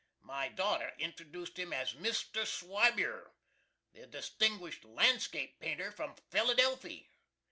My daughter introduced him as MR. SWEIBIER, the distinguished landscape painter from Philadelphy.